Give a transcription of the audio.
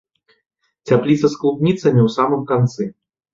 Цяпліца з клубніцамі ў самым канцы.